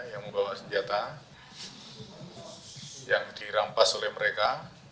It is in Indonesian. yang membawa senjata yang dirampas oleh mereka